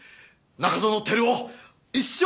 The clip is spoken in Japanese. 中園照生